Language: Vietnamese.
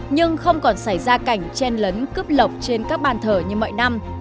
nhưng không còn xảy ra cảnh chen lấn cướp lộc trên các ban thờ như mọi năm